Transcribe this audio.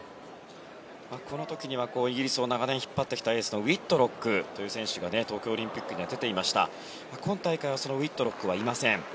この時にはイギリスを長年引っ張ってきたウィットロックという選手が東京オリンピックには出ていましたが、今大会はそのウィットロックはいません。